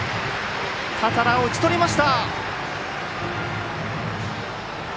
多田羅を打ち取りました。